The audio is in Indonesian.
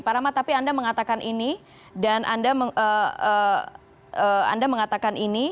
parahmat tapi anda mengatakan ini dan anda mengatakan ini